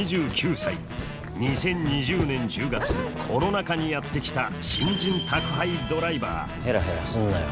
２０２０年１０月コロナ禍にやって来た新人宅配ドライバーヘラヘラすんなよ。